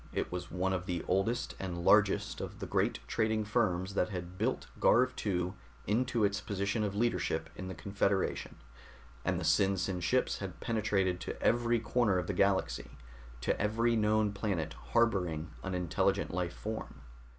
It was one of the oldest and largest of the great trading firms that had built Garv II into its position of leadership in the Confederation, and the SinSin ships had penetrated to every corner of the galaxy, to every known planet harboring an intelligent life form.